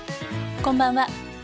こんばんは。